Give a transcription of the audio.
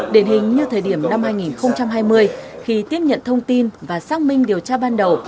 đền hình như thời điểm năm hai nghìn hai mươi khi tiếp nhận thông tin và xác minh điều tra ban đầu